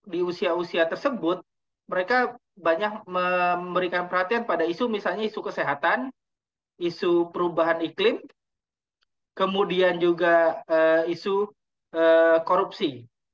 di usia usia tersebut mereka banyak memberikan perhatian pada isu misalnya isu kesehatan isu perubahan iklim kemudian juga isu korupsi